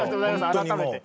改めて。